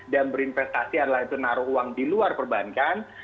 dan berinvestasi adalah itu naruh uang di luar perbankan